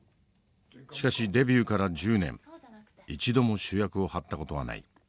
しかしデビューから１０年一度も主役を張った事はない。